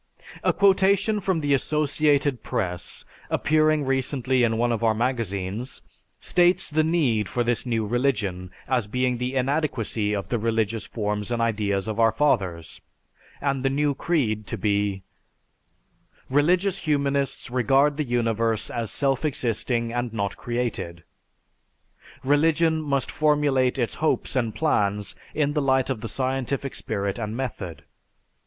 A quotation from the Associated Press, appearing recently in one of our magazines, states the need for this "new religion" as being the inadequacy of the religious forms and ideas of our fathers, and the new creed to be: "Religious humanists regard the universe as self existing and not created. "Religion must formulate its hopes and plans in the light of the scientific spirit and method.